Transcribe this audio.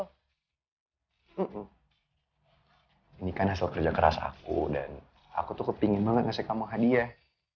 hmm ini kan hasil kerja keras aku dan aku tuh kepingin banget ngasih kamu hadiah